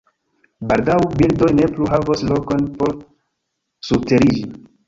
Baldaŭ, birdoj ne plu havos lokon por surteriĝi.